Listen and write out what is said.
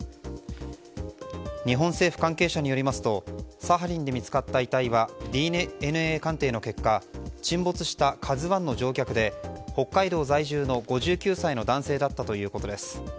日本政府関係者によりますとサハリンで見つかった遺体はＤＮＡ鑑定の結果沈没した「ＫＡＺＵ１」の乗客で北海道在住の５９歳の男性だったということです。